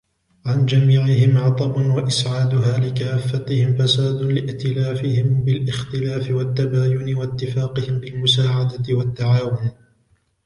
عَنْ جَمِيعِهِمْ عَطَبٌ وَإِسْعَادُهَا لِكَافَّتِهِمْ فَسَادٌ لِائْتِلَافِهِمْ بِالِاخْتِلَافِ وَالتَّبَايُنِ ، وَاتِّفَاقِهِمْ بِالْمُسَاعَدَةِ وَالتَّعَاوُنِ